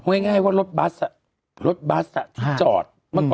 พูดง่ายว่ารถบัสรถที่จอด